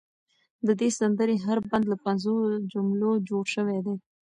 د دې سندرې هر بند له پنځو جملو جوړ شوی دی.